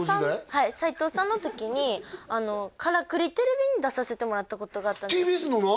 はい斎藤さんの時に「からくりＴＶ」に出させてもらったことがあったんですＴＢＳのな？